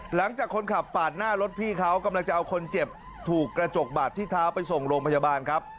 หลังจากคนขับปาดหน้ารถพี่เขากำลังจะเอาคนเจ็บถูกกระจกบาดที่เท้าไปส่งโรงพยาบาลครับ